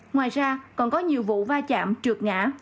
ngoài ra còn có nhiều vụ va chạm trượt ngã